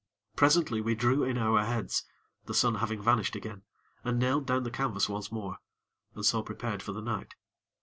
Presently, we drew in our heads, the sun having vanished again, and nailed down the canvas once more, and so prepared for the night.